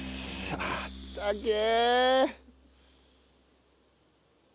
あったけえ！